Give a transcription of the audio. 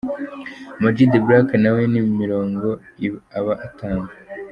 Amag the Black nawe ni imirongo aba atanga.